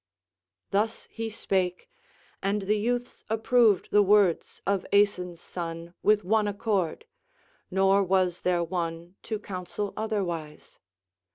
Thus he spake, and the youths approved the words of Aeson's son with one accord, nor was there one to counsel otherwise.